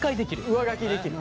上書きできる？